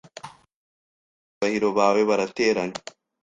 Abanyacyubahiro bawe barateranye